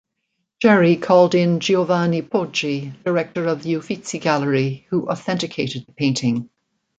Geri called in Giovanni Poggi, director of the Uffizi Gallery, who authenticated the painting.